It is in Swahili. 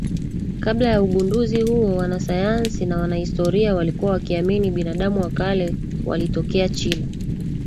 Kabla ya ugunduzi huo wanasayansi na wanahistoria walikuwa wakiamini binadamu wa kale walitokea China